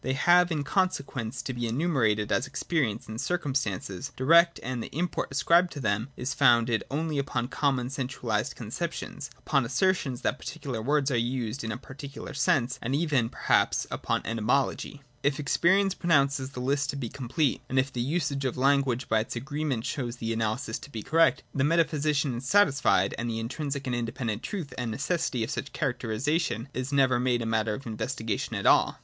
They have in F 2 68 FIRST ATTITUDE TO OBJECTIVITY. [33, 34 consequence to be enumerated as experience and cir cumstances direct, and the import ascribed to them is founded only upon common sensuaHsed conceptions, upon assertions that particular words are used in a par ticular sense, and even perhaps upon etymology. If experience pronounces the list to be complete, and if the usage of language, by its agreement, shows the analysis to be correct, the metaphysician is satisfied ; and the intrinsic and independent truth and necessity of such characteristics is never made a matter of inves tigation at all.